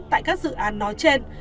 tại các dự án nói trên